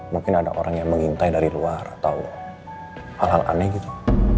mungkin ada orang yang mengintai dari luar atau hal hal aneh gitu